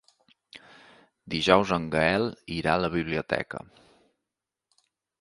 Dijous en Gaël irà a la biblioteca.